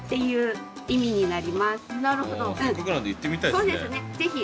そうですねぜひ。